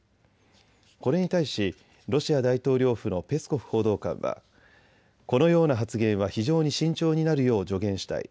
これに対しロシア大統領府のペスコフ報道官はこのような発言は非常に慎重になるよう助言したい。